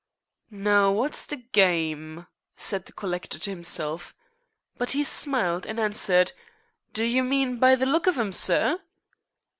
"Now, wot's the gyme?" said the collector to himself. But he smiled, and answered: "Do you mean by the look of 'em, sir?"